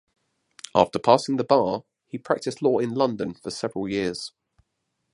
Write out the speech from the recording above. After passing the bar, he practiced law in London for several years.